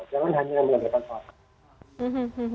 jangan hanya mengandalkan vaksin